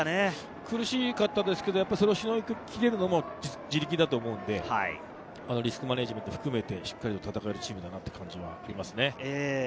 苦しかったんですけれど、しのぎきれるのも自力だと思うので、リスクマネジメントを含めて、しっかり戦えるチームだという感じがします。